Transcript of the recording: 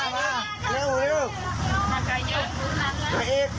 เฮ้ย